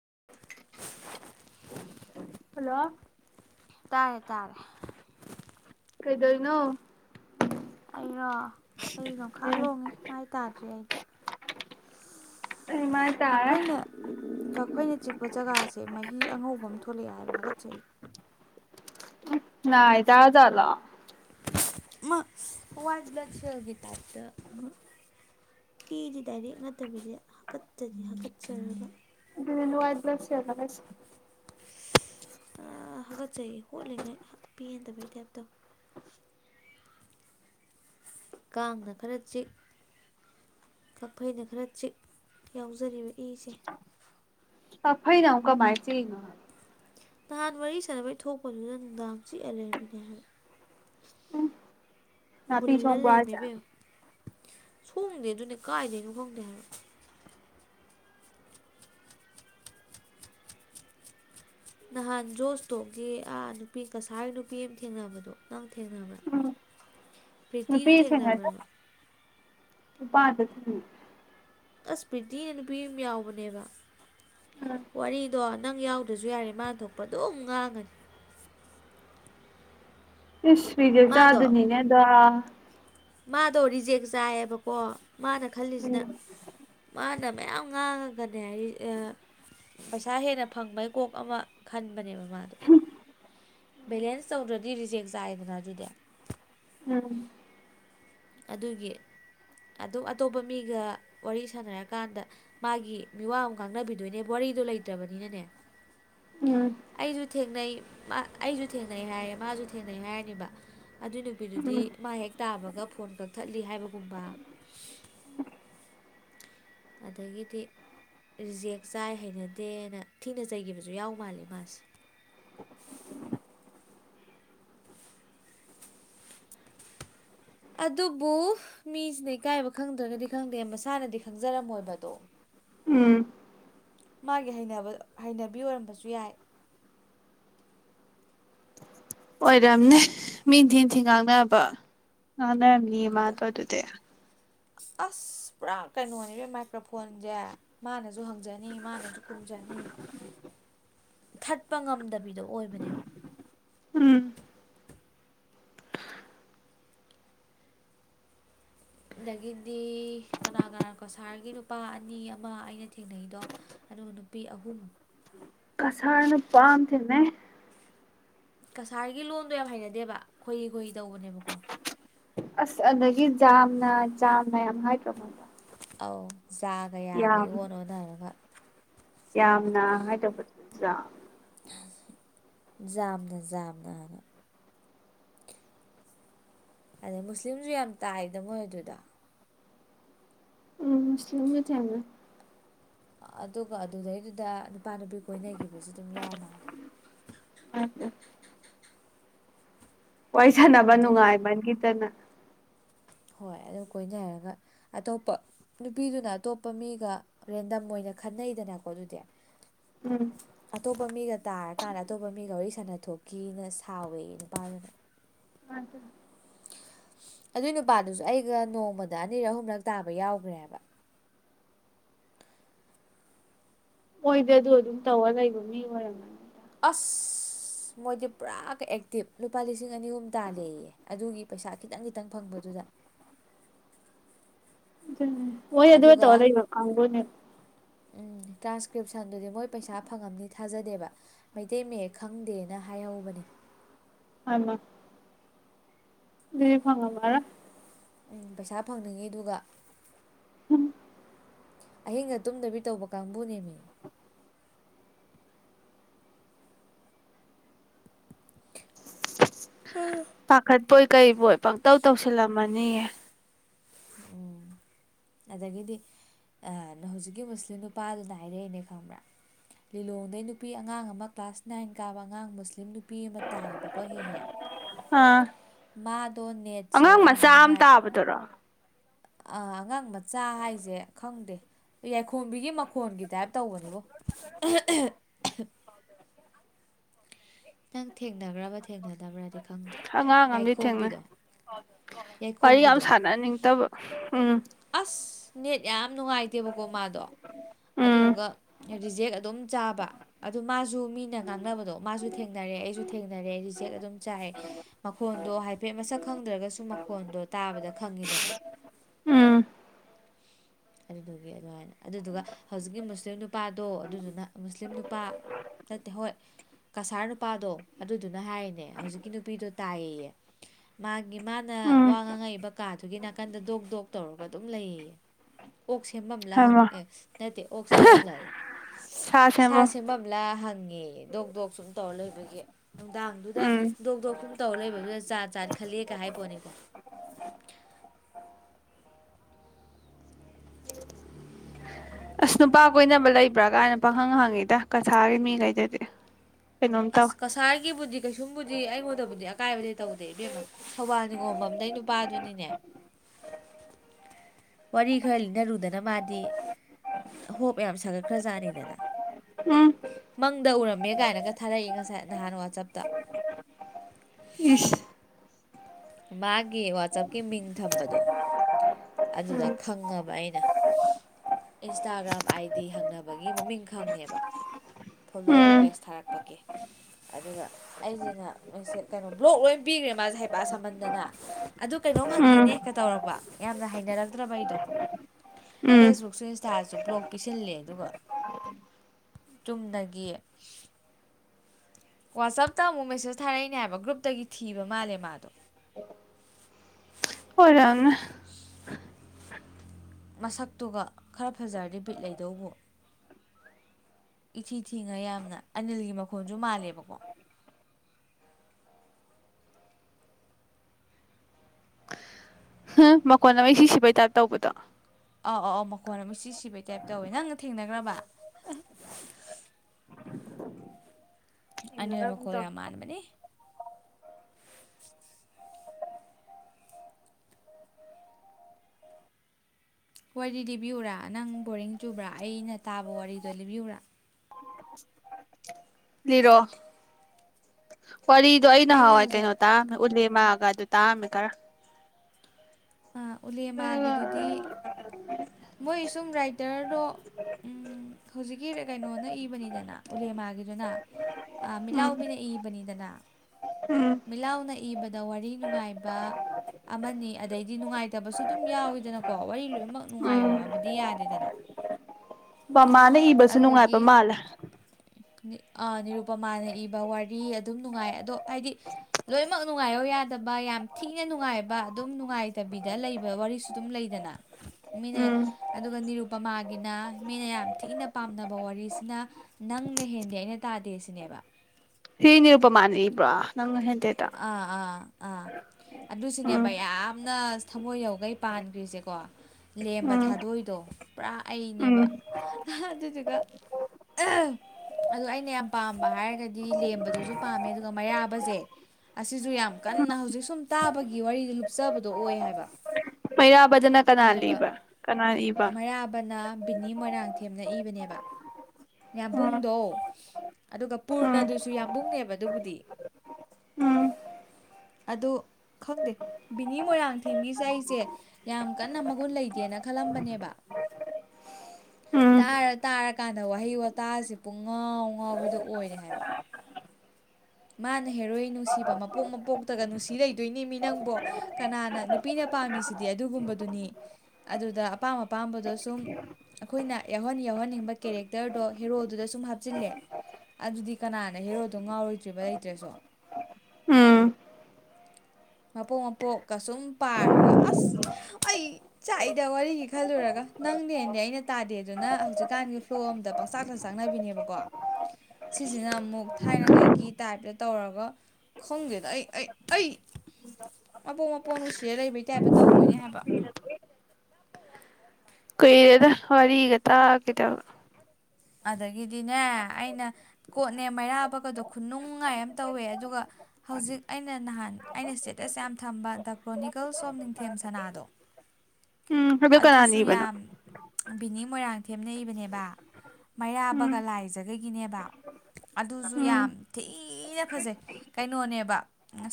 [inaudible] hello ꯇꯥꯔꯦ ꯇꯥꯔꯦ ꯀꯩꯗꯧꯔꯤꯅꯣ ꯑꯩꯔꯣ ꯑꯩ ꯂꯣꯡꯈꯥꯛ ꯎꯝ ꯂꯣꯡꯉꯤ ꯃꯥꯏ ꯇꯥꯗ꯭ꯔꯤ ꯑꯩ [inaudible] ꯑꯩ ꯃꯥꯏ ꯇꯥꯔꯦ ꯀꯥꯛꯐꯩꯅ ꯀꯥꯛꯐꯩꯅ ꯆꯤꯛꯄ ꯖꯒꯥ ꯁꯦ ꯃꯍꯤ ꯑꯉꯧꯕ ꯑꯃ ꯊꯣꯛꯂꯛꯑꯦ ꯍꯥꯏꯕ ꯍꯥꯒꯠꯆꯩꯌꯦ ꯎꯃ ꯅꯥꯏ ꯆꯥꯖꯥꯠꯂꯣ ꯃ ꯋꯥꯏꯠ ꯕ꯭ꯂꯠ ꯁꯦꯜꯒꯤ ꯇꯥꯏꯞꯇ ꯑꯃ ꯏꯗꯤ ꯗꯥꯏꯔꯦꯛ ꯅꯠꯇꯕꯤꯗ ꯍꯥꯀꯠꯆꯗꯤ ꯍꯥꯀꯠꯆꯔꯒ ꯋꯥꯏꯗ ꯕꯂꯠ ꯁꯦꯜ ꯑ ꯍꯥꯀꯠꯆꯩ ꯍꯣꯠꯂꯦꯉꯩ ꯄꯦꯟꯗꯕꯩ ꯇꯥꯏꯞꯇꯣ ꯀꯥꯡꯅ ꯈꯔ ꯆꯤꯛ ꯀꯤꯛꯐꯩꯅ ꯈꯔ ꯆꯤꯛ ꯌꯥꯎꯖꯔꯤꯕ ꯏꯁꯦ ꯀꯥꯛꯐꯩꯅ ꯑꯃꯨꯛ ꯀꯃꯥꯏ ꯆꯤꯛꯏꯅꯣ ꯅꯍꯥꯟ ꯃꯔꯤ ꯁꯥꯟꯅꯕꯩ ꯊꯣꯛꯄꯗꯨꯅ ꯅꯨꯡꯗꯥꯡ ꯆꯤꯛꯑ ꯂꯩꯔꯝꯃꯤꯅꯦ ꯍꯥꯏꯕ ꯃꯨꯜꯂ ꯅꯥꯄꯤꯁꯣꯡꯕꯔꯣ ꯂꯩꯔꯝꯃꯦ ꯍꯥꯏꯁꯦ ꯏꯕꯦꯝꯃ ꯁꯣꯡꯗꯦ ꯑꯗꯨꯅꯦ ꯀꯥꯏꯗꯩꯅꯣ ꯈꯪꯗꯦ ꯍꯥꯏꯕ ꯅꯍꯥꯟ ꯖꯣꯁꯇꯣꯛꯒꯤ ꯑꯥ ꯅꯨꯄꯤ ꯀꯁꯥꯔ ꯅꯨꯄꯤ ꯑꯃ ꯊꯦꯡꯅꯕꯗꯣ ꯅꯪ ꯊꯦꯡꯅꯕ꯭ꯔꯥ ꯎꯝ ꯄ꯭ꯔꯤꯇꯤꯗꯨ ꯊꯦꯡꯅꯕ꯭ꯔꯕ ꯅꯨꯄ ꯑꯝꯇꯥ ꯊꯤꯕꯤꯌꯣ ꯑꯁ ꯄ꯭ꯔꯤꯇꯤꯅ ꯅꯨꯄꯤ ꯑꯃ ꯌꯥꯎꯕꯅꯦꯕ ꯋꯥꯔꯤ ꯗꯣꯟ ꯅꯪ ꯌꯥꯎꯗ꯭ꯔꯁꯨ ꯌꯥꯔꯦ ꯃꯥꯥꯟ ꯊꯣꯛꯄ ꯑꯗꯨꯝ ꯉꯥꯡꯉꯅꯤ ꯏꯁ ꯃꯥꯗꯣ ꯆꯥꯗꯕꯤꯅꯦ ꯑꯗꯣ ꯃꯥꯗꯣ ꯔꯤꯖꯦꯛ ꯆꯥꯏꯌꯦꯕꯀꯣ ꯃꯥꯅ ꯈꯜꯂꯤꯁꯤꯅ ꯎꯝ ꯃꯥꯅ ꯃꯌꯥꯝ ꯉꯥꯡꯉꯒꯅꯦ ꯄꯩꯁꯥ ꯍꯦꯟꯅ ꯐꯪꯕꯩ ꯀꯣꯛ ꯑꯃ ꯈꯟꯕꯅꯦꯕ ꯃꯥꯗꯣ ꯕꯦꯂꯦꯟꯁ ꯇꯧꯗ꯭ꯔꯗꯤ ꯔꯤꯖꯦꯛ ꯆꯥꯥꯏꯗꯅ ꯑꯗꯨꯗꯤ ꯎꯝ ꯑꯗꯨꯒꯤ ꯑꯗꯨ ꯑꯇꯣꯞꯄ ꯃꯤꯒ ꯋꯥꯔꯤ ꯁꯥꯟꯅꯔꯀꯥꯟꯗ ꯃꯥꯒꯤ ꯃꯤꯋꯥ ꯑꯃꯨꯛ ꯉꯥꯡꯅꯕꯤꯗꯣꯏꯅꯦ ꯋꯥꯔꯤꯗꯣ ꯂꯩꯇ꯭ꯔꯕꯅꯤꯅꯅꯦ ꯎꯝ ꯑꯩꯁꯨ ꯊꯦꯡꯅꯩ ꯑꯩꯁꯨ ꯊꯦꯡꯅꯩ ꯍꯥꯏꯔꯦ ꯃꯥꯁꯨ ꯊꯦꯡꯅꯩ ꯍꯥꯏꯔꯅꯦꯕ ꯑꯗꯨꯏ ꯎꯝ ꯅꯨꯄꯤꯗꯨꯗꯤ ꯃꯥꯏ ꯍꯦꯛ ꯇꯥꯕꯒ ꯐ ꯀꯛꯊꯠꯂꯤ ꯍꯥꯏꯕꯒꯨꯝꯕ ꯑꯗꯒꯤꯗꯤ ꯔꯤꯖꯦꯛ ꯆꯥꯏ ꯍꯩꯅꯗꯦꯅ ꯊꯤꯅ ꯆꯩꯈꯤꯕꯁꯨ ꯌꯥꯎ ꯃꯥꯂꯦ ꯃꯥꯁꯦ ꯑꯗꯨꯕꯨ ꯃꯤꯁꯤꯅ ꯏꯀꯥꯏꯕ ꯈꯪꯗ꯭ꯔꯒꯗꯤ ꯈꯪꯗꯦ ꯃꯁꯥꯅꯗꯤ ꯈꯪꯖꯔꯝꯃꯣꯏꯕꯗꯣ ꯎꯝ ꯃꯥꯒꯤꯅ ꯍꯩꯅꯕ ꯍꯩꯅꯕꯤ ꯑꯣꯏꯔꯝꯕꯁꯨ ꯌꯥꯏ ꯑꯣꯏꯔꯝꯅꯦ ꯃꯤꯊꯤꯅ ꯊꯤꯅ ꯉꯥꯡꯅꯕ ꯉꯥꯡꯅꯅꯤꯌꯦ ꯃꯥꯗꯣ ꯑꯗꯨꯗꯤ ꯑꯁ ꯄꯨꯔꯥ ꯀꯩꯅꯣꯅꯦꯕ ꯃꯥꯏꯀ꯭ꯔꯣꯐꯣꯟꯁꯦ ꯃꯥꯅꯁꯨ ꯍꯪꯖꯅꯤ ꯃꯥꯅꯁꯨ ꯈꯨꯝꯖꯅꯤ ꯊꯠꯄ ꯉꯝꯗꯕ ꯗꯣ ꯑꯣꯢꯕꯅꯦꯕ ꯎꯝ ꯑꯗꯒꯤꯗꯤ ꯀꯅꯥ ꯀꯅꯥ ꯀꯁꯥꯔꯒꯤ ꯅꯨꯄꯥ ꯑꯅꯤ ꯑꯃ ꯑꯩꯅ ꯊꯦꯡꯅꯩꯗꯣ ꯑꯗꯨꯒ ꯅꯨꯄꯤ ꯑꯍꯨꯝ ꯀꯁꯥꯔ ꯅꯨꯄꯥ ꯑꯃ ꯊꯦꯡꯅꯩ ꯀꯁꯥꯔꯒꯤ ꯂꯣꯟꯗꯣ ꯌꯥꯝ ꯍꯩꯅꯗꯦꯕ ꯈꯣꯏꯔꯤ ꯈꯣꯏꯔꯤ ꯇꯧꯕꯅꯦꯕꯀꯣ ꯑꯁ ꯑꯗꯒꯤ ꯖꯥꯝꯅ ꯖꯥꯝꯅ ꯌꯥꯝ ꯍꯥꯏꯗ꯭ꯔ ꯃꯣꯢꯗꯣ ꯑꯥꯎ ꯆꯥꯒ ꯌꯥꯒ ꯏꯋꯣꯟ ꯑꯣꯅꯔꯒ ꯌꯥꯝꯅ ꯍꯥꯏꯗꯧꯕꯗꯨ ꯖꯥꯝꯅ ꯖꯥꯝꯅ ꯖꯥꯝꯅꯅ ꯑꯗꯩ ꯃꯨꯁꯂꯤꯝꯁꯨ ꯌꯥꯝ ꯇꯥꯏꯗ ꯃꯣꯏ ꯑꯗꯨꯗ ꯎꯝ ꯃꯨꯁꯂꯤꯝ ꯊꯦꯡꯅꯩ ꯑꯗꯨꯒ ꯑꯗꯨꯗꯩꯗꯨꯗ ꯅꯨꯄꯥ ꯅꯨꯄꯤ ꯀꯣꯏꯅꯈꯤꯕꯁꯨ ꯑꯗꯨꯝ ꯌꯥꯎ ꯃꯥꯜꯂꯦ ꯃꯔꯛꯇ ꯋꯥꯔꯤ ꯁꯅꯕ ꯑꯗꯨꯒ ꯅꯨꯡꯉꯥꯏꯃꯟꯈꯤꯗꯅ ꯍꯣꯏ ꯑꯗꯨ ꯀꯣꯏꯅꯔꯒ ꯑꯇꯣꯞꯄ ꯅꯨꯄꯤꯗꯨꯅ ꯑꯇꯣꯞꯄ ꯃꯤꯒ ꯔꯦꯟꯗꯝ ꯑꯣꯏꯅ ꯈꯟꯅꯩꯗꯅꯀꯣ ꯑꯗꯨꯗꯤ ꯎꯝ ꯑꯇꯣꯞꯄ ꯃꯤꯒ ꯇꯥꯔꯀꯥꯟꯗ ꯑꯇꯣꯞꯄ ꯃꯤꯒ ꯋꯥꯔꯤ ꯁꯥꯟꯅ ꯄꯨꯊꯣꯛꯀꯤꯅ ꯁꯥꯎꯋꯦꯌꯦ ꯅꯨꯄꯥꯗꯨꯅ ꯑꯗꯨꯅꯤ ꯑꯗꯨꯏ ꯅꯨꯄꯥꯗꯨꯁꯨ ꯑꯩꯒ ꯅꯣꯡꯃꯗ ꯑꯅꯤꯔꯛ ꯑꯍꯨꯝꯂꯛ ꯇꯥꯕ ꯌꯥꯎꯒ꯭ꯔꯦ ꯍꯥꯢꯕ ꯃꯣꯏꯗꯤ ꯑꯗꯨ ꯑꯗꯨꯝ ꯇꯧꯔ ꯂꯩꯕ ꯃꯤ ꯑꯣꯏꯔꯝꯒꯅꯤ ꯑꯁ ꯃꯣꯏꯗꯤ ꯄꯨꯔꯥꯒ ꯑꯦꯛꯇꯤꯞ ꯂꯨꯄꯥ ꯂꯤꯁꯤꯡ ꯑꯅꯤ ꯑꯍꯨꯝ ꯇꯥꯂꯦꯌꯦ ꯑꯗꯨꯒꯤ ꯄꯩꯁꯥ ꯈꯤꯇꯪ ꯈꯤꯇꯪ ꯐꯪꯕꯗꯨꯗ ꯎꯝ ꯍꯣꯏ ꯑꯗ ꯇꯧꯔ ꯂꯩꯕ ꯀꯥꯡꯕꯨꯅꯦꯕ ꯎꯝ ꯇ꯭ꯔꯥꯟꯁꯀ꯭ꯔꯤꯞꯁꯟꯗꯨꯗꯤ ꯃꯣꯏ ꯄꯩꯁꯥ ꯐꯪꯉꯝꯅꯤ ꯊꯥꯖꯗꯦꯕ ꯃꯩꯇꯩ ꯃꯌꯦꯛ ꯈꯪꯗꯦꯅ ꯍꯥꯏꯍꯧꯕꯅꯦ ꯍꯥꯏꯃ ꯑꯗꯨꯗꯤ ꯐꯉꯝꯃꯔꯣꯢ ꯎꯝ ꯄꯩꯁꯥ ꯐꯪꯅꯤꯡꯉꯤ ꯗꯨꯒ ꯎꯝ ꯑꯍꯤꯡꯒ ꯇꯨꯝꯗꯕꯤ ꯇꯧꯕ ꯀꯥꯡꯕꯨ ꯅꯦꯝꯃꯤ ꯄꯥꯈꯠꯄꯣꯏ ꯀꯩꯕꯣꯏ ꯄꯪꯇꯧ ꯇꯧꯁꯤꯜꯂꯝꯃꯅꯤꯌꯦ ꯎꯝ ꯑꯗꯒꯤꯗꯤ ꯍꯧꯖꯤꯛꯀꯤ ꯃꯨꯁꯂꯤꯝ ꯅꯨꯄꯥꯗꯨꯅ ꯍꯥꯏꯔꯛꯏꯅꯦ ꯈꯪꯕ꯭ꯔꯥ ꯂꯤꯂꯣꯡꯗꯩ ꯅꯨꯄꯤ ꯑꯉꯥꯡ ꯑꯃ ꯀ꯭ꯂꯥꯁ ꯅꯥꯏꯟ ꯀꯥꯕ ꯑꯉꯥꯡ ꯃꯨꯁꯂꯤꯝ ꯅꯨꯄꯤ ꯑꯃ ꯇꯥꯏꯌꯦꯕꯀꯣ ꯍꯦꯛ ꯍꯦꯛ ꯑꯥ ꯃꯥꯗꯣ ꯅꯦꯠꯁꯦ ꯑꯉꯥꯡ ꯌꯥꯝ ꯃꯆꯥ ꯑꯃ ꯅꯨꯡꯉꯥꯏ ꯇꯥꯕꯗꯨꯔꯣ ꯑꯉꯥꯡ ꯃꯆꯥ ꯍꯥꯏꯁꯦ ꯈꯪꯗꯦ ꯌꯥꯏꯈꯣꯝꯕꯤꯒꯤ ꯃꯈꯣꯟꯒꯤ ꯇꯥꯏꯞ ꯇꯧꯕꯅꯦꯕꯣ ꯅꯪ ꯊꯦꯡꯅꯒ꯭ꯔꯕ꯭ꯔ ꯊꯦꯡꯅꯗꯕ꯭ꯔꯗꯤ ꯈꯪꯗꯦ ꯑꯉꯥꯡ ꯑꯃꯗꯤ ꯊꯦꯡꯅꯩ ꯌꯥꯏꯈꯣꯝꯕꯤꯗꯣ ꯋꯥꯔꯤ ꯌꯥꯝ ꯌꯥꯏꯈꯣꯝꯕꯤꯗꯣ ꯁꯥꯟꯅꯅꯤꯡꯗꯕ ꯎꯝ ꯑꯁ ꯅꯦꯠ ꯌꯥꯝ ꯌꯥꯝ ꯅꯨꯡꯉꯥꯏꯇꯦꯕꯀꯣ ꯃꯥꯗꯣ ꯎꯝ ꯑꯗꯨꯗꯨꯒ ꯔꯤꯖꯦꯛ ꯑꯗꯨꯝ ꯆꯥꯕ ꯑꯗꯨ ꯃꯥꯖꯨ ꯃꯤꯅ ꯉꯥꯡꯅꯕꯗꯣ ꯃꯥꯖꯨ ꯊꯦꯡꯅꯔꯦ ꯑꯩꯖꯨ ꯊꯦꯡꯅꯔꯦ ꯔꯤꯖꯦꯛ ꯑꯗꯨꯝ ꯆꯥꯏ ꯃꯈꯣꯟꯗꯣ ꯍꯥꯏꯐꯦꯠ ꯃꯁꯛ ꯈꯪꯗ꯭ꯔꯒꯁꯨ ꯃꯈꯣꯟꯗꯣ ꯇꯥꯕꯗ ꯈꯪꯉꯤꯗꯅ ꯎꯝ ꯑꯗꯨꯗꯨꯒꯤ ꯑꯗꯨꯃꯥꯏꯅ ꯑꯗꯨꯗꯨꯒ ꯍꯧꯖꯤꯛꯀꯤ ꯃꯨꯁꯂꯤꯝ ꯅꯨꯄꯥꯗꯣ ꯑꯗꯨꯗꯨꯅ ꯃꯨꯁꯂꯤꯝ ꯅꯨꯄꯥ ꯅꯠꯇꯦ ꯍꯣꯏ ꯀꯁꯥꯔ ꯅꯨꯄꯥꯗꯣ ꯑꯗꯨꯗꯨꯅ ꯍꯥꯏꯅꯦ ꯍꯧꯖꯤꯛꯀꯤ ꯅꯨꯄꯤꯗꯣ ꯇꯥꯏꯌꯦꯌꯦ ꯃꯥꯒꯤ ꯒꯤ ꯃꯥꯅ ꯎꯝ ꯋꯥ ꯉꯥꯡꯉꯛꯏꯕ ꯀꯥꯗꯨꯒꯤ ꯅꯥꯀꯟꯗ ꯗꯣꯛ ꯗꯣꯛ ꯇꯧꯔꯒ ꯑꯗꯨꯝ ꯂꯩꯌꯦꯌꯦ ꯑꯣꯛ ꯁꯦꯝꯃꯝꯂ ꯍꯪ ꯍꯥꯏꯃ ꯑꯦ ꯅꯠꯇꯦ ꯑꯣꯛ ꯁꯦꯝꯃꯝꯂꯌꯦ ꯁꯥ ꯁꯦꯝꯃꯝꯂ ꯍꯪꯉ ꯑꯦ ꯗꯣꯛ ꯗꯣꯛꯁꯨꯝ ꯇꯧꯔ ꯂꯩꯕꯒꯤ ꯅꯨꯡꯗꯥꯡꯗꯨꯗ ꯎꯝ ꯗꯣꯛ ꯗꯣꯛ ꯁꯨꯝ ꯇꯧꯔ ꯂꯩꯕꯗꯨꯗ ꯖꯥꯠ ꯖꯥꯠ ꯈꯜꯂꯦꯒ ꯍꯥꯏ ꯄꯣꯠꯅꯤꯀꯣ ꯑꯁ ꯅꯨꯄꯥ ꯀꯣꯏꯅꯕ ꯂꯩꯕ꯭ꯔꯥ ꯀꯥꯏꯅ ꯄꯥꯈꯪ ꯍꯪꯉꯤꯗ ꯀꯁꯥꯔꯒꯤ ꯃꯤꯒꯩꯗꯗꯤ ꯑꯁ ꯀꯁꯥꯔꯒꯤꯕꯨꯗꯤ ꯀꯩꯁꯨꯝꯕꯨꯗꯤ ꯑꯩꯉꯣꯟꯗꯕꯨꯗꯤ ꯑꯀꯥꯏꯕꯗꯤ ꯇꯧꯗꯦ ꯏꯕꯦꯝꯃ ꯊꯧꯕꯥꯜ ꯅꯤꯉꯣꯝꯕꯝꯗꯩ ꯅꯨꯄꯥꯗꯨꯅꯤꯅꯦ ꯋꯥꯔꯤ ꯈꯔ ꯂꯤꯅꯔꯨꯗꯅ ꯃꯥꯗꯤ ꯍꯣꯞ ꯌꯥꯝ ꯁꯥꯒꯠꯈ꯭ꯔꯖꯥꯠꯅꯤꯗꯅ ꯎꯝ ꯃꯪꯗ ꯎꯔꯝꯃꯦ ꯀꯥꯏꯅꯒ ꯊꯥꯔꯛꯏ ꯉꯁꯥꯏ ꯅꯍꯥꯟ ꯋꯥꯆꯞꯇ ꯏꯁ ꯃꯥ ꯒꯤ ꯋꯥꯆꯞꯀꯤ ꯃꯤꯡ ꯊꯝꯕꯗꯣ ꯑꯗꯨꯗ ꯈꯪꯉꯕ ꯑꯩꯅ ꯏꯟꯁꯇꯥꯒ꯭ꯔꯥꯝ ꯑꯥꯏ ꯗꯤ ꯍꯪꯅꯕꯒꯤ ꯃꯃꯤꯡ ꯈꯪꯉꯦꯕ ꯐꯣꯂꯣ ꯎꯝ ꯔꯤꯀ꯭ꯋꯦꯁ ꯊꯥꯔꯛꯄ ꯀꯦ ꯑꯗꯨꯒ ꯑꯩꯖꯤꯅ ꯃꯦꯁꯦ ꯀꯩꯅꯣ ꯕ꯭ꯂꯣꯛ ꯂꯣꯏ ꯄꯤꯒ꯭ꯔꯦ ꯃꯥꯁꯦ ꯍꯩ ꯁꯥꯃꯟꯗꯅ ꯑꯗꯨ ꯀꯩꯅꯣꯝ ꯎꯝ ꯍꯪꯒꯦꯅꯦ ꯀ ꯇꯧꯔꯛꯄ ꯌꯥꯝꯅ ꯍꯩꯅꯔꯛꯇ꯭ꯔꯥꯕ ꯑꯩꯗꯣ ꯎꯝ ꯐꯦꯁꯕꯨꯛꯁꯨ ꯏꯁ ꯇꯥꯥꯁꯨ ꯕ꯭ꯂꯣꯛ ꯄꯤꯁꯤꯜꯂꯦ ꯑꯗꯨꯒ ꯆꯨꯝꯅꯒꯤ ꯋꯥꯆꯞꯇ ꯑꯃꯨꯛ ꯃꯦꯁꯦꯁ ꯊꯥꯔꯛꯏꯅꯦ ꯍꯥꯢꯕ ꯒꯨ꯭ꯔꯇꯒꯤ ꯊꯤꯕ ꯃꯥꯜꯂꯦ ꯃꯥ ꯑꯣꯏꯔꯝꯅꯤ ꯃꯁꯛꯇꯨꯒ ꯈꯔ ꯐꯖꯔꯗꯤ ꯕꯤꯠ ꯂꯩꯗꯧꯕꯨ ꯏꯊꯤ ꯊꯤꯉꯩ ꯌꯥꯝꯅ ꯑꯅꯤꯜꯒꯤ ꯃꯈꯣꯟꯖꯨ ꯃꯥꯜꯂꯦꯕꯀꯣ ꯍꯪ ꯃꯈꯣꯟ ꯑꯃ ꯏꯁꯤ ꯁꯤꯕꯩ ꯇꯥ꯭ꯏꯞ ꯇꯧꯕꯗꯣ ꯑ ꯑ ꯑꯧ ꯃꯈꯣꯟ ꯑꯃ ꯏꯁꯤ ꯁꯤ ꯁꯤꯕꯩ ꯇꯥꯏꯞ ꯇꯧꯋꯦ ꯅꯪ ꯊꯦꯡꯅꯒ꯭ꯔꯥꯕ ꯑꯅꯤꯜ ꯊꯦꯡꯅꯒ꯭ꯔꯒꯨꯝ ꯃꯈꯣꯟ ꯇꯧ ꯌꯥꯝ ꯃꯥꯟꯕꯅꯤ ꯋꯥꯔꯤ ꯂꯤꯕꯤꯎꯨꯔꯥ ꯅꯪ ꯕꯣꯔꯤꯡ ꯆꯨꯕ꯭ꯔꯥ ꯑꯩꯅ ꯇꯥꯕ ꯋꯥꯔꯤꯗꯣ ꯂꯤꯕꯤꯌꯨꯔꯥ ꯂꯤꯔꯛꯑꯣ ꯋꯥꯔꯤꯗꯣ ꯑꯩꯅ ꯅꯍꯋꯥꯏ ꯀꯩꯅꯣ ꯇꯥꯔꯝꯃꯦ ꯎꯠꯂꯦꯃꯥ ꯒꯗꯣ ꯇꯥꯔꯝꯃꯦ ꯀ ꯑꯥ ꯎꯂꯦ ꯃꯥꯒꯤꯗꯨꯗꯤ ꯃꯣꯏ ꯁꯨꯝ ꯔꯥꯏꯠ ꯇꯔ [unintelligible] [unintelligible] ꯀꯩꯅꯣꯅ ꯏꯕꯅꯤꯗꯅ ꯎꯂꯦꯃꯥꯒꯤꯗꯨꯅ ꯎꯝ ꯃꯤꯠꯂꯥꯎꯕꯤꯅ ꯏꯕꯅꯤꯗꯅ ꯎꯝ ꯃꯤꯠꯂꯥꯎꯅ ꯏꯕꯗ ꯋꯥꯔꯤ ꯅꯨꯡꯉꯥꯏꯕ ꯑꯃꯅꯤ ꯑ ꯑꯗꯩꯗꯤ ꯅꯨꯡꯉꯥꯏꯇꯕꯁꯨ ꯑꯗꯨꯝ ꯌꯥꯎꯋꯤꯗꯅꯀꯣ ꯋꯥꯔꯤ ꯂꯣꯏꯅꯃꯛ ꯅꯨꯡꯉꯥꯏꯌꯣ ꯎꯝ ꯑꯕꯗꯤ ꯌꯥꯗꯦꯗꯅ ꯄꯃꯥꯅ ꯏꯕꯁꯨ ꯅꯨꯡꯉꯥꯏꯕ ꯑꯗꯨꯗꯨꯒꯤ ꯃꯥꯜꯂꯦ ꯅꯤꯔꯨꯄꯃꯥꯅ ꯏꯕ ꯋꯥꯔꯤ ꯑꯗꯨꯝ ꯅꯨꯡꯉꯥꯏ ꯑꯗꯣ ꯍꯥꯏꯗꯤ ꯂꯣꯏꯅꯃꯛ ꯅꯨꯡꯉꯥꯏꯌꯣ ꯌꯥꯗꯕ ꯌꯥꯝ ꯊꯤꯅ ꯅꯨꯡꯉꯥꯏꯕ ꯑꯗꯨꯝ ꯅꯨꯡ ꯅꯨꯡꯉꯥꯏꯇꯕꯤꯗ ꯂꯩꯕ ꯋꯥꯔꯤꯁꯨ ꯑꯗꯨꯝ ꯂꯩꯗꯅ ꯃꯤꯅ ꯎꯝ ꯑꯗꯨꯒ ꯅꯤꯔꯨꯄꯃꯥꯒꯤꯅ ꯃꯤꯅ ꯌꯥꯝ ꯊꯤꯅ ꯄꯥꯝꯅꯕ ꯋꯥꯔꯤꯁꯤꯅ ꯅꯪꯅ ꯍꯦꯟꯗꯦ ꯑꯩꯅ ꯇꯥꯗꯦ ꯁꯤꯅꯦꯕ ꯁꯤ ꯅꯤꯔꯨꯄꯃꯥꯅ ꯏꯕ꯭ꯔꯣ ꯅꯪꯅ ꯍꯦꯟꯗꯦꯗ ꯑꯥ ꯑꯥ ꯑꯥ ꯑꯗꯨꯁꯤꯅꯦꯕ ꯎꯝ ꯌꯥꯝꯅ ꯊꯃꯣꯏ ꯌꯧꯈꯒꯩ ꯄꯥꯟꯈꯒ꯭ꯔꯤꯖꯦꯀꯣ ꯂꯦꯝꯕ ꯎꯝ ꯊꯥꯗꯣꯏꯗꯣ ꯄꯨꯔꯥ ꯑꯩꯅꯦꯕ ꯎꯝ ꯑꯗꯨꯗꯨꯒ ꯑꯗꯨ ꯑꯩꯅ ꯌꯥꯝ ꯄꯥꯝꯕ ꯍꯥꯏꯔꯒꯗꯤ ꯂꯦꯝꯕꯗꯨꯁꯨ ꯄꯥꯝꯃꯦ ꯑꯗꯨꯒ ꯃꯩꯔꯥꯕꯖꯦ ꯑꯁꯤꯖꯨ ꯌꯥꯝ ꯀꯟꯅ ꯍꯧꯖꯤꯛ ꯁꯨꯝ ꯇꯥꯕꯒꯤ ꯋꯥꯔꯤꯗ ꯂꯨꯞꯆꯕꯗꯣ ꯑꯣꯏ ꯍꯥꯏꯕ ꯃꯩꯔꯥꯕꯗꯅ ꯀꯅꯥ ꯑꯗꯨꯒ ꯂꯤꯕ ꯀꯅꯥꯟ ꯏꯕ ꯊꯦꯝꯅ ꯏꯕꯅꯦꯕ ꯎꯝ ꯌꯥꯝꯕꯨꯡꯗꯣ ꯑꯗꯨꯒ ꯎꯝ ꯄꯨꯔꯅꯗꯨꯁꯨ ꯌꯥꯝꯕꯨꯡꯅꯦꯕ ꯑꯗꯨꯕꯨꯗꯤ ꯎꯝ ꯑꯗꯨ ꯈꯪꯗꯦ ꯕꯤꯅꯤ ꯃꯣꯏꯔꯥꯡꯊꯦꯝ ꯒꯤꯁꯦ ꯑꯩꯁꯦ ꯌꯥꯝ ꯀꯟꯅ ꯃꯒꯨꯟ ꯂꯩꯇꯦꯅ ꯈꯜꯂꯝꯕꯅꯦꯕ ꯎꯝ ꯇꯥꯔ ꯇꯥꯔꯀꯥꯟꯗ ꯋꯥꯍꯩ ꯋꯥꯇꯥꯁꯦ ꯄꯨꯡ ꯉꯥꯎ ꯉꯥꯎꯕꯤꯗꯣ ꯑꯣꯏꯔꯦ ꯍꯥꯏꯕ ꯃꯥꯅ ꯍꯦꯔꯣꯏ ꯅꯨꯡꯁꯤꯕ ꯃꯄꯣꯛ ꯃꯄꯣꯛꯇꯒ ꯅꯨꯡꯁꯤ ꯂꯩꯗꯣꯏꯅꯤ ꯃꯤ ꯅꯪꯕꯣ ꯀꯅꯥꯅ ꯅꯨꯄꯤꯅ ꯄꯥꯝꯃꯤꯁꯤꯗꯤ ꯑꯗꯨꯒꯨꯝꯕꯗꯨꯅꯤ ꯑꯗꯨꯗ ꯑꯄꯥꯝ ꯑꯄꯥꯝꯕꯗꯣ ꯁꯨꯝ ꯑꯈꯣꯏꯅ ꯌꯥꯎꯍꯟ ꯌꯥꯎꯍꯟꯅꯤꯡꯕ ꯀꯦꯔꯦꯛꯇꯔꯗꯣ ꯍꯦꯔꯣꯗꯨꯗ ꯁꯨꯝ ꯍꯥꯞꯆꯤꯜꯂꯦ ꯑꯗꯨꯗꯤ ꯀꯅꯥꯅ ꯍꯦꯔꯣꯗꯣ ꯉꯥꯎꯔꯣꯏ ꯂꯩꯇ꯭ꯔꯁꯨ ꯎꯝ ꯃꯄꯣꯛ ꯃꯄꯣꯛꯀ ꯁꯨꯝ ꯄꯥꯔꯒ ꯑꯁ ꯑꯩ ꯆꯥꯛꯏꯗ ꯋꯥꯔꯤꯒꯤ ꯈꯜꯂꯨꯔꯒ ꯅꯪꯅ ꯍꯦꯟꯗꯦ ꯑꯩꯅ ꯇꯥꯗꯦꯗꯨꯅ ꯍꯧꯖꯤꯛꯀꯥꯟꯒꯤ ꯐ꯭ꯂꯣ ꯑꯃꯗ ꯄꯪꯆꯥꯛꯇ ꯆꯥꯛꯅꯕꯤꯅꯦꯕꯀꯣ ꯁꯤꯖꯤꯅ ꯑꯃꯨꯛ ꯊꯥꯏꯅꯉꯩꯒꯤ ꯇꯥꯏꯞꯇ ꯇꯧꯔꯒ ꯈꯪꯗꯦꯗ ꯑꯩ ꯑꯩ ꯑꯩ ꯃꯄꯣꯛ ꯃꯄꯣꯛ ꯅꯨꯡꯁꯤꯔ ꯂꯩꯕꯩ ꯇꯥꯏꯞꯇ ꯇꯧꯗꯣꯏꯅꯦ ꯍꯥꯏꯕ ꯀꯨꯏꯔꯦꯗ ꯋꯥꯔꯤꯒ ꯇꯥꯒꯤꯗꯕ ꯑꯗꯒꯤꯗꯤꯅꯦ ꯑꯩꯅ ꯀꯣꯠꯅꯦ ꯃꯩꯔꯥꯕꯒꯗꯣ ꯈꯨꯅꯨꯡꯉꯥꯏ ꯑꯃ ꯇꯧꯋꯦ ꯑꯗꯨꯒ ꯍꯧꯖꯤꯛ ꯑꯩꯅ ꯅꯍꯥꯟ ꯑꯩꯅ ꯏꯁꯇꯦꯇꯁ ꯌꯥꯝ ꯊꯝꯕ ꯗ ꯀ꯭ꯔꯣꯅꯤꯀꯜꯁ ꯑꯣꯐ ꯅꯤꯡꯊꯦꯝ ꯁꯅꯥꯗꯣ ꯎꯝ ꯑꯗꯨ ꯀꯅꯥꯅ ꯑꯗꯨꯁꯨ ꯏꯕꯅꯣ ꯌꯥꯝ ꯕꯤꯅꯤ ꯃꯣꯏꯔꯥꯡꯊꯦꯝꯅ ꯏꯕꯅꯦꯕ ꯃꯩꯔꯥꯕꯒ ꯎꯝ ꯂꯥꯏꯖꯒꯒꯤꯅꯦꯕ ꯑꯗꯨꯁꯨ ꯎꯝ ꯌꯥꯝ ꯊꯤꯅ ꯐꯖꯩ ꯀꯩꯅꯣꯅꯦꯕ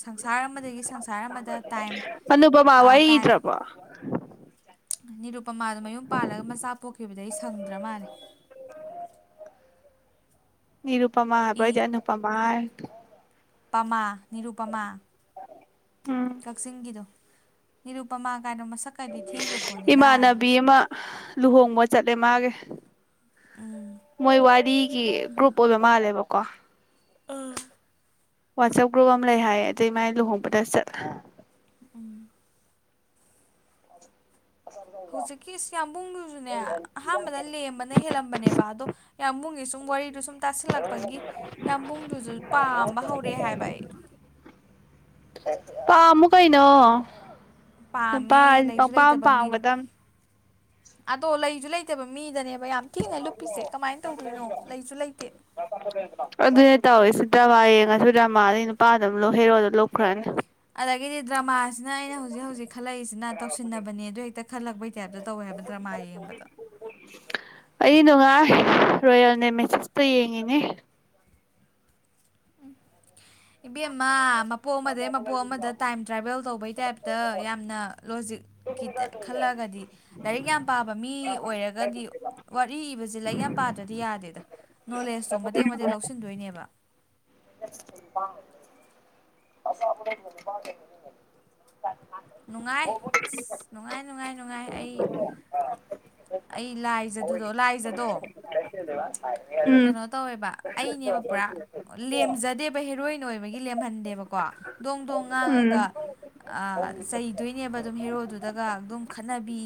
ꯁꯪꯁꯥꯔ ꯑꯃꯗꯒꯤ ꯁꯪꯁꯥꯔ ꯑꯃꯗ ꯇꯥꯏꯝ ꯑꯅꯨꯄꯃꯥ ꯋꯥꯔꯤ ꯇꯥꯏꯝ ꯏꯗ꯭ꯔꯕꯣ ꯅꯤꯔꯨꯄꯃꯥꯗꯣ ꯃꯌꯨꯝ ꯄꯥꯜꯂꯒ ꯃꯆꯥ ꯄꯣꯛꯈꯤꯕꯗꯩ ꯁꯪꯗ꯭ꯔ ꯃꯥꯜꯂꯦ ꯅꯤꯔꯨꯄꯃꯥ ꯍꯥꯏꯕꯤꯌꯨ ꯑꯩꯗꯤ ꯏ ꯑꯅꯨꯄꯃꯥ ꯍꯥꯏꯔꯦ [inaudible] ꯄꯃꯥ ꯅꯤꯔꯨꯄꯃꯥ ꯎꯝ ꯀꯛꯆꯤꯡꯒꯤꯗꯣ ꯅꯤꯔꯨꯄꯃꯥ ꯀꯥꯏꯅꯣ ꯃꯁꯛ ꯀꯥꯏꯗꯤ ꯏꯃꯥꯅꯕꯤ ꯑꯃ ꯂꯨꯍꯣꯡꯕ ꯆꯠꯂꯦ ꯃꯥꯒꯤ ꯎꯝ ꯃꯣꯏ ꯋꯥꯔꯤꯒꯤ ꯒ꯭ꯔꯨꯞ ꯑꯣꯏꯕ ꯃꯥꯜꯂꯦꯕꯀꯣ ꯑ ꯋꯥꯆꯞ ꯒ꯭ꯔꯨꯞ ꯑꯃ ꯂꯩ ꯍꯥꯏꯌꯦ ꯑꯗꯨꯏ ꯃꯥꯏ ꯂꯨꯍꯣꯡꯕꯗ ꯆꯠꯂꯦ ꯎꯝ ꯍꯧꯖꯤꯛꯀꯤ ꯁꯤ ꯌꯥꯝ ꯌꯥꯝꯕꯨꯡꯗꯨ ꯁꯨꯅꯦ ꯑꯍꯥꯟꯕꯗ ꯂꯦꯝꯕꯅ ꯍꯦꯜꯂꯝꯕꯅꯦꯕ ꯑꯗꯣ ꯌꯥꯝꯕꯨꯡꯒꯤ ꯁꯨꯝ ꯋꯥꯔꯤꯗꯨ ꯁꯨꯝ ꯇꯁꯤꯜꯂꯛꯄꯒꯤ ꯌꯥꯝꯕꯨꯡꯗꯨꯁꯨ ꯄꯥꯝꯕ ꯍꯧꯔꯛꯑꯦ ꯍꯥꯏꯕ ꯑꯩ ꯄꯥꯝꯃꯨ ꯀꯩꯅꯣ ꯅꯨꯄꯥ ꯄꯥꯝꯃꯦ ꯍꯥꯏꯁꯤꯗꯤ ꯂꯩꯁꯨ ꯄꯥꯝꯄꯥꯝ ꯂꯩꯇꯕ ꯃꯤꯗꯣ ꯄꯥꯝꯒꯗꯕꯅꯤ ꯑꯗꯣ ꯂꯩꯁꯨ ꯂꯩꯇꯦꯕ ꯃꯤꯗꯅꯦꯕ ꯌꯥꯝ ꯊꯤꯅ ꯂꯨꯞꯄꯤꯁꯦ ꯀꯃꯥꯏꯅ ꯇꯧꯗꯣꯏꯅꯣ ꯂꯩꯁꯨ ꯂꯩꯇꯦ ꯑꯗꯨꯅꯦ ꯇꯧꯋꯦ ꯁꯤ ꯗ꯭ꯔꯃ ꯌꯦꯡꯑꯁꯨ ꯗ꯭ꯔꯥꯃ ꯅꯨꯄꯥꯗ ꯑꯗꯨꯝ ꯂꯧ ꯍꯦꯔꯣꯗ ꯂꯨꯞꯈ꯭ꯔꯅꯤ ꯑꯗꯒꯤꯗꯤ ꯗ꯭ꯔꯃꯥꯁꯤꯅ ꯑꯩꯅ ꯍꯧꯖꯤꯛ ꯍꯧꯖꯤꯛ ꯈꯜꯂꯛꯏꯁꯤꯅ ꯇꯧꯁꯤꯟꯅꯕꯅꯦ ꯑꯗꯨꯗꯣ ꯍꯦꯛꯇ ꯈꯜꯂꯛꯄꯩ ꯇꯥꯏꯞꯇ ꯇꯧꯋꯦ ꯍꯥꯏꯕ ꯗ꯭ꯔꯃꯥ ꯌꯦꯡꯕꯗꯣ ꯑꯩꯗꯤ ꯅꯨꯡꯉꯥꯏ ꯔꯣꯌꯦꯜꯅꯦ ꯃꯦꯁꯦꯁꯇꯣ ꯌꯦꯡꯉꯤꯅꯦ ꯏꯕꯦꯝꯃ ꯃꯞ ꯃꯄꯣꯛ ꯑꯃꯗꯒꯤ ꯃꯄꯣꯛ ꯑꯃꯗ ꯇꯥꯏꯝ ꯇ꯭ꯔꯥꯕꯦꯜ ꯇꯧꯕꯩ ꯇꯥꯏꯞꯇ ꯌꯥꯝꯅ ꯂꯣꯖꯤꯛꯀꯤ ꯈꯜꯂꯛꯒꯗꯤ ꯂꯥꯏꯔꯤꯛ ꯌꯥꯝ ꯄꯥꯕ ꯃꯤ ꯑꯣꯏꯔꯒꯗꯤ ꯋꯥꯔꯤ ꯏꯕꯁꯦ ꯂꯥꯏꯔꯤꯛ ꯌꯥꯝ ꯄꯥꯗ꯭ꯔꯗꯤ ꯌꯥꯗꯦꯗ ꯅꯣꯂꯦꯖꯇꯣ ꯃꯇꯦꯛ ꯃꯇꯦꯛ ꯂꯧꯁꯤꯟꯗꯣꯏꯅꯦꯕ [inaudible] ꯅꯨꯡꯉꯥꯏ ꯅꯨꯡꯉꯥꯏ ꯅꯨꯡꯉꯥꯏ ꯅꯨꯡꯉꯥꯏ ꯑꯩ ꯑꯩ ꯂꯥꯏꯖꯗꯨꯗꯣ ꯂꯥꯏꯖꯗꯣ ꯎꯝ ꯀꯩꯅꯣ ꯇꯧꯋꯦꯕ ꯑꯩꯅꯦꯕ ꯄꯨꯔꯥ ꯂꯦꯝꯖꯗꯦꯕ ꯍꯦꯔꯣꯏꯟ ꯑꯣꯏꯕꯒꯤ ꯂꯦꯝꯍꯟꯗꯦꯕꯀꯣ ꯗꯣꯡ ꯗꯣꯡ ꯉꯥꯡꯉꯒ ꯎꯝ ꯑꯥ ꯆꯩꯗꯣꯏꯅꯦꯕ ꯑꯗꯨꯝ ꯍꯦꯔꯣꯗꯨꯗꯒ ꯑꯗꯨꯝ ꯈꯠꯅꯕꯤ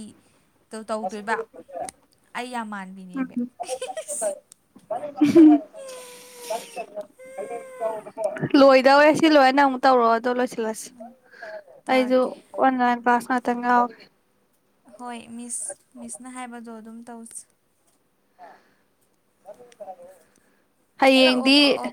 ꯇꯧꯗꯣꯏꯕ ꯑꯩ ꯌꯥꯝ ꯃꯥꯟꯕꯤꯅꯦꯃꯤ ꯎꯝ [inaudible] ꯂꯣꯏꯗꯧꯔꯦ ꯁꯤ ꯂꯣꯏꯔꯒ ꯅꯪ ꯑꯃꯨꯛ ꯇꯧꯔꯛ ꯑꯗꯨꯒ ꯂꯣꯏꯁꯟ ꯑꯩꯁꯨ ꯇꯧꯔꯛꯀꯦ ꯑꯣꯟꯂꯥꯟ ꯀꯂꯥꯁ [unintelligible] ꯍꯣꯏ ꯃꯤꯁ ꯃꯤꯁꯅ ꯍꯥꯏꯕꯗꯣ ꯑꯗꯨꯝ ꯇꯧꯖꯦ [inaudible] ꯀꯛꯑꯣ ꯍꯌꯦꯡꯗꯤ ꯀꯛꯑꯣ